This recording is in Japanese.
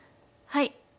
はい。